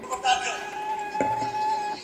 زه اوس تمرين کوم؟!